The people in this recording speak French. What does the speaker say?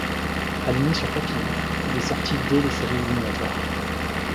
Aligné sur papillon, il est sorti dès les séries éliminatoires.